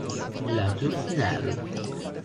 La Tour de Nesle